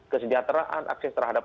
kesejahteraan akses terhadap